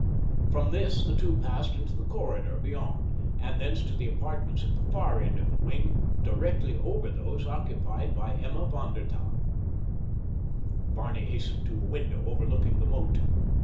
From this the two passed into the corridor beyond, and thence to the apartments at the far end of the wing, directly over those occupied by Emma von der Tann. Barney hastened to a window overlooking the moat.